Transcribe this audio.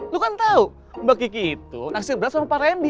lu kan tahu mbak kiki itu naksir berat sama pak randy